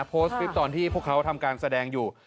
โพสต์คลิปตอนที่พวกเขาทำการแสดงอยู่